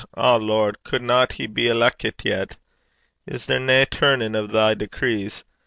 O Lord! cudna he be eleckit yet? Is there nae turnin' o' thy decrees?